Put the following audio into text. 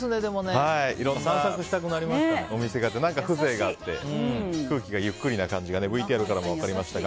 いろんなお店があって風情があって空気がゆっくりな感じがＶＴＲからも分かりました。